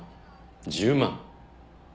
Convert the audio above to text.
１０万。